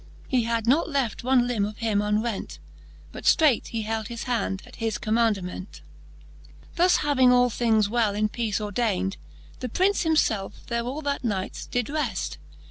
He had not left one limbe of him unrent : But ftreight he held his hand at his commaundement. XLI. Thus having all things well in peace ordayned. The Prince himfelfe there all that night did reft.